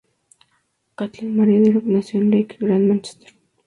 Kathleen Mary Drew nació en Leigh, Gran Mánchester.